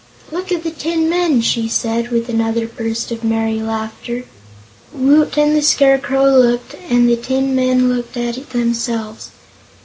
"Look at the tin men!" she said, with another burst of merry laughter. Woot and the Scarecrow looked, and the tin men looked at themselves.